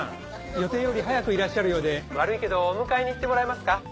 予定より早くいらっしゃるようで悪いけどお迎えに行ってもらえますか？